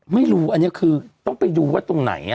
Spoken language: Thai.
ไม่รู้อันนี้คือต้องไปดูว่าตรงไหน